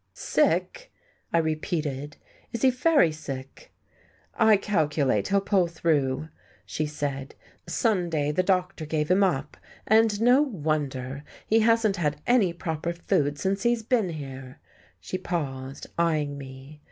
"Sick!" I repeated. "Is he very sick?" "I calculate he'll pull through," she said. "Sunday the doctor gave him up. And no wonder! He hasn't had any proper food since he's be'n here!" She paused, eyeing me.